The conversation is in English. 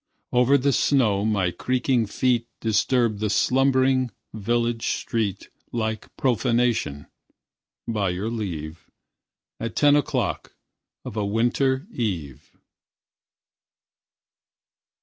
Over the snow my creaking feet Disturbed the slumbering village street Like profanation, by your leave, At ten o'clock of a winter eve.